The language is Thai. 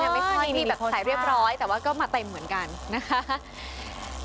ไม่ค่อยมีแบบสายเรียบร้อยแต่ว่าก็มาเต็มเหมือนกันนะคะ